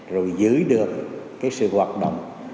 rồi giữ được cái sự hoạt động